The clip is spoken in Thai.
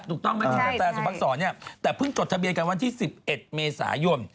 ถูกต้องไหมถึงกระแตสุภักษรเนี่ยแต่เพิ่งจดทะเบียนกันวันที่๑๑เมษายน